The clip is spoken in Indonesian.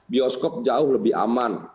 bioskop jauh lebih aman